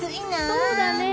そうだね。